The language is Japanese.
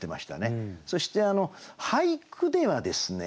そして俳句ではですね